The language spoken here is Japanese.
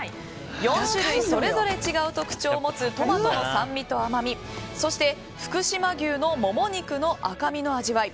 ４種類それぞれ違う特徴を持つトマトの酸味と甘みそして、福島牛のモモ肉の赤身の味わい。